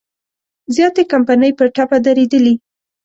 زیاتې کمپنۍ په ټپه درېدلي.